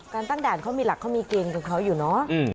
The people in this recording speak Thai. ตั้งด่านเขามีหลักเขามีเกณฑ์กับเขาอยู่เนอะ